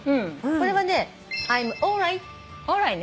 これはね。